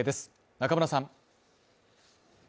中村さん。